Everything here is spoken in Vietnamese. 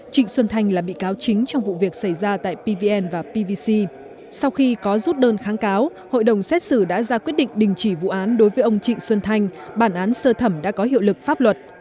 trịnh xuân thanh là bị cáo chính trong vụ việc xảy ra tại pvn và pvc sau khi có rút đơn kháng cáo hội đồng xét xử đã ra quyết định đình chỉ vụ án đối với ông trịnh xuân thanh bản án sơ thẩm đã có hiệu lực pháp luật